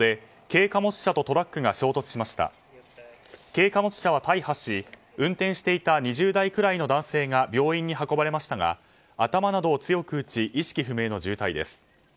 軽貨物車は大破し運転していた２０代くらいの男性が病院に運ばれましたが頭などを強く打ち意識不明の重体です。